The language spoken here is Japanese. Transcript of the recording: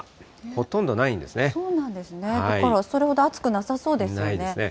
そうなんですね、だからそれほど暑くなさそうですよね。